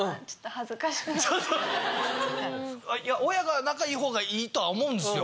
親が仲いい方がいいとは思うんですよ。